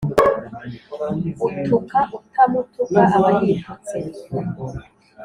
Utuka utamutuka aba yitutse.